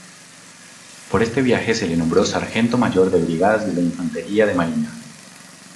Por este viaje se le nombró sargento mayor de Brigadas de Infantería de Marina.